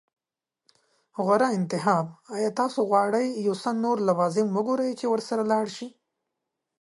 غوره انتخاب. ایا تاسو غواړئ یو څه نور لوازم وګورئ چې ورسره لاړ شئ؟